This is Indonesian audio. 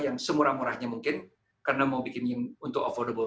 yang semurah murahnya mungkin karena mau bikinnya untuk affordable